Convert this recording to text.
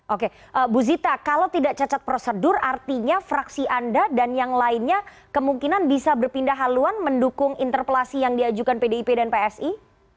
oke bu zita kalau tidak cacat prosedur artinya fraksi anda dan yang lainnya kemungkinan bisa berpindah haluan mendukung interpelasi yang diajukan pdip dan psi